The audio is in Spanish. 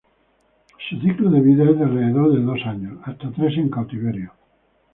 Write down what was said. Su ciclo de vida es de alrededor de dos años, hasta tres en cautiverio.